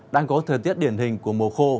đang có thời tiết điển hình của mùa khô